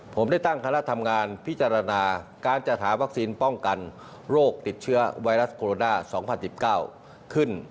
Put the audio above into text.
ผมได้ตั้งคณะทำงานพิจารณาการจัดหาวัคซีนป้องกันโรคติดเชื้อไวรัสโคโรนา๒๐๑๙ขึ้น